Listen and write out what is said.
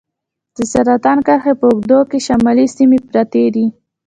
د سرطان کرښې په اوږدو کې شمالي سیمې پرتې دي.